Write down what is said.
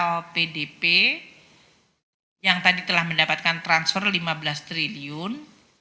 lpdp yang tadi telah mendapatkan transfer lima belas triliun